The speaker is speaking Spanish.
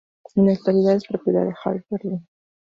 En la actualidad, es propiedad de Air Berlin.